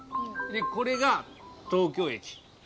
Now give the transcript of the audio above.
でこれが東京駅。